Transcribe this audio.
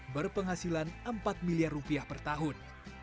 berpenghasilan empat miliar rupiah per tahun